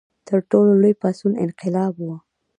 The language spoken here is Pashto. تر ټولو لوی پاڅون انقلاب و.